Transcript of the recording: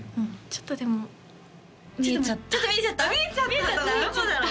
ちょっと見えちゃった？